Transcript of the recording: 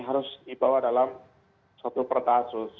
harus dibawa dalam satu pertaksus